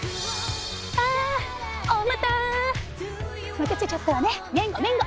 待たせちゃったわねめんごめんご！